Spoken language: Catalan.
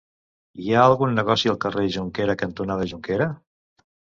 Hi ha algun negoci al carrer Jonquera cantonada Jonquera?